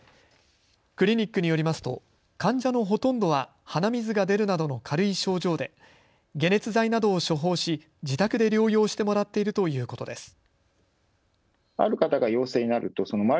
クリニックによりますと患者のほとんどは鼻水が出るなどの軽い症状で解熱剤などを処方し自宅で療養してもらっているということです。